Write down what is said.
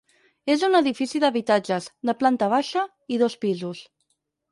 És un edifici d'habitatges, de planta baixa i dos pisos.